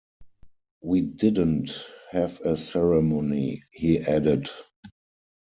"We didn't have a ceremony," he added.